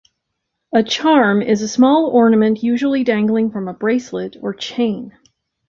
A charm is a small ornament usually dangling from a bracelet or chain.